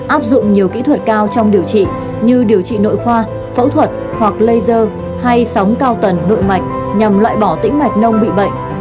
áp dụng nhiều kỹ thuật cao trong điều trị như điều trị nội khoa phẫu thuật hoặc laser hay sóng cao tần nội mạch nhằm loại bỏ tĩnh mạch nông bị bệnh